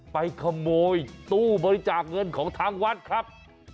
ไปขโมยตู้บริจาคเงินของทางวัดครับ